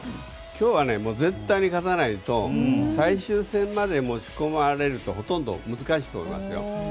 今日は絶対に勝たないと最終戦まで持ち込まれるとほとんど難しいと思いますよ。